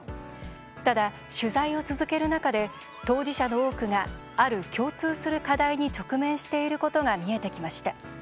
ただ、取材を続ける中で当事者の多くがある共通する課題に直面していることが見えてきました。